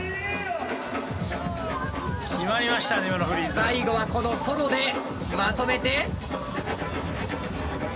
最後はこのソロでまとめて。